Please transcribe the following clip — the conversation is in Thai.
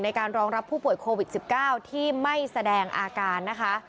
การรองรับผู้ป่วยโควิด๑๙ที่ไม่แสดงอาการนะคะ